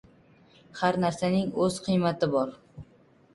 • Har narsaning o‘z qiymati bor.